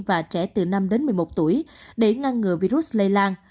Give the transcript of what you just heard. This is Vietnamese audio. và trẻ từ năm đến một mươi một tuổi để ngăn ngừa virus lây lan